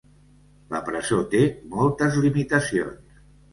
La presó té moltes limitacions.